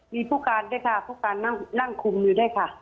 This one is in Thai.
มีผู้การด้วยค่ะผู้การนั่งคุมอยู่ด้วยค่ะ